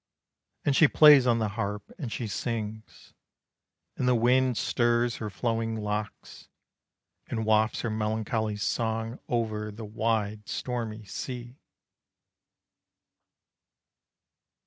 And she plays on the harp, and she sings, And the wind stirs her flowing locks, And wafts her melancholy song Over the wide, stormy sea.